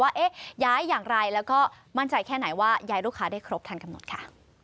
ว่าย้ายอย่างไรแล้วก็มั่นใจแค่ไหนว่าย้ายลูกค้าได้ครบทันกำหนดค่ะ